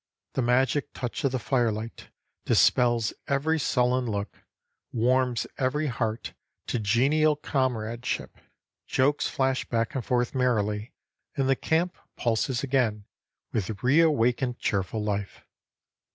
The magic touch of the firelight dispels every sullen look, warms every heart to genial comradeship; jokes flash back and forth merrily, and the camp pulses again with reawakened cheerful life.